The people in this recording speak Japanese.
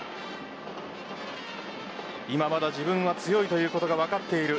今まだ自分は強いということが分かっている。